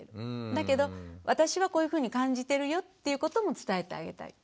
だけど私はこういうふうに感じてるよっていうことも伝えてあげたい。